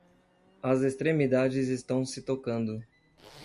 As extremidades estão se tocando.